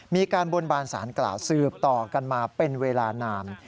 มีการบนบานสารกล่าวสืบต่อกันมาเป็นเวลานาน